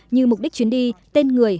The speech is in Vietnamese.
như mục đích chuyến đi tên người